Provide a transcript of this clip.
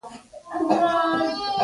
د الله ذکر د زړه تیاره له منځه وړي.